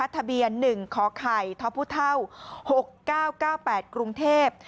ทะเบียน๑ขไข่ทพ๖๙๙๘กรุงเทพฯ